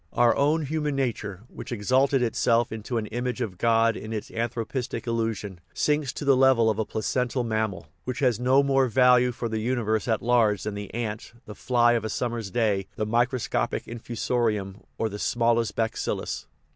Our own " human nature/' which exalted itself into an image of God in its anthropistic illusion, sinks to the level of a placental mammal, which has no more value for the universe at large than the ant, the fly of a summer's day, the microscopic infusorium, or the smallest bacillus.